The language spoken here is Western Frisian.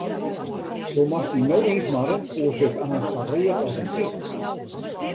Do moatst dy no ynsmarre, oars bist aanst sa read as in byt.